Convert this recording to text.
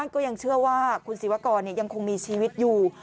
ก็ยังเชื่อว่าคุณศิวากรยังคงมีชีวิตอยู่